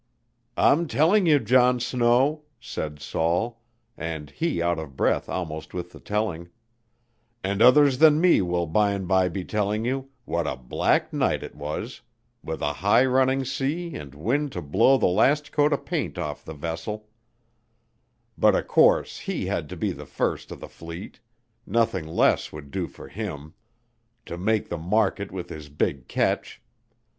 "I'm telling you, John Snow," said Saul and he out of breath almost with the telling "and others than me will by an' by be telling you, what a black night it was, with a high running sea and wind to blow the last coat o' paint off the vessel, but o' course he had to be the first o' the fleet nothing less would do him to make the market with his big ketch.